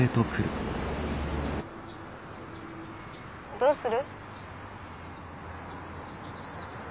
どうする？